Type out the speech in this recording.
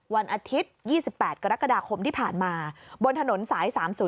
วันอาทิตย์๒๘กรกฎาคมที่ผ่านมาบนถนนสาย๓๐